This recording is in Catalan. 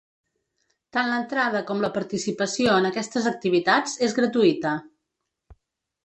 Tant l’entrada com la participació en aquestes activitats és gratuïta.